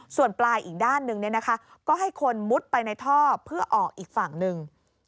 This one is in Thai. ส่วนปลายอีกด้านหนึ่งก็ให้คนมุดไปในท่อเพื่อออกอีกฝั่งหนึ่ง